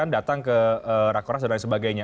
datang ke rakora dan sebagainya